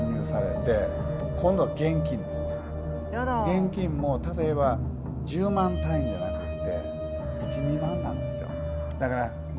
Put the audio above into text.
現金も例えば１０万単位じゃなくて１２万なんですよ。